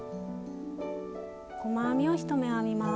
細編みを１目編みます。